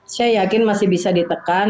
saya yakin masih bisa ditekan